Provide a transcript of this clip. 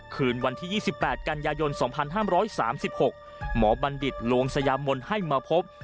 คืนวันที่๒๘กันยายน๒๕๓๖หมอบัณฑิตลวงสยามนให้มาพบ